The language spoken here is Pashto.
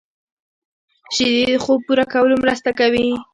شیدې د خوب پوره کولو مرسته کوي